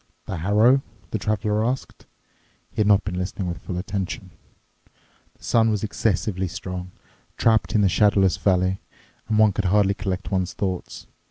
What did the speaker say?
"The harrow?" the Traveler asked. He had not been listening with full attention. The sun was excessively strong, trapped in the shadowless valley, and one could hardly collect one's thoughts.